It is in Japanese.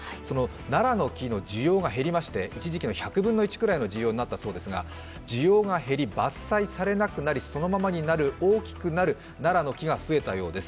ナラの木の需要が減りまして、一時期の１００分の１ぐらいの需要になったんですが需要が減り、伐採されそのままになって大きくなるナラの木が増えたようです。